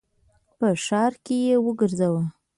په ښار کي یې وګرځوه !